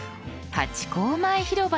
ハチ公前広場。